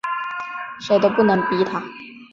谁都不能逼他